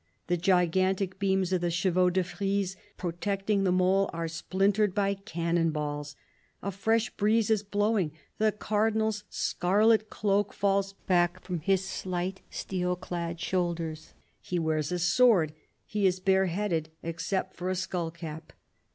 The gigantic beams of the chevaux de frise protecting the mole are splintered by cannon balls. A fresh breeze is blowing : the Cardinal's scarlet cloak falls back from his slight steel clad shoulders ; he wears a sword ; he is bare headed, except for a skull cap.